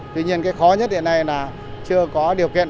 tuy nhiên cái khó nhất hiện nay là chưa có điều kiện